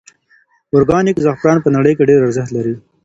ارګانیک زعفران په نړۍ کې ډېر ارزښت لري.